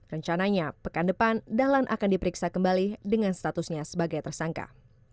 rencananya pekan depan dahlan akan diperiksa kembali dengan statusnya sebagai tersangka